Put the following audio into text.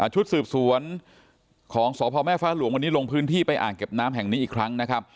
ชุดสืบสวนของสพแม่ฟ้าหลวงวันนี้ลงพื้นที่ไปอ่างเก็บน้ำแห่งนี้อีกครั้งนะครับ